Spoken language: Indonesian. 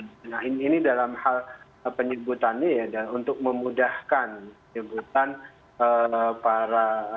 nah ini dalam hal penyebutannya untuk memudahkan penyebutan para